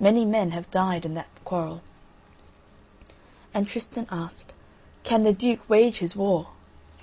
Many men have died in that quarrel." And Tristan asked: "Can the Duke wage his war?"